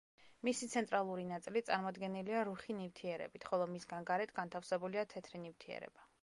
მისი ცენტრალური ნაწილი წარმოდგენილია რუხი ნივთიერებით, ხოლო მისგან გარეთ განთავსებულია თეთრი ნივთიერება.